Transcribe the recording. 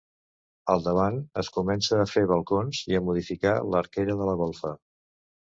Al davant es comença a fer balcons i a modificar l'arquera de la golfa.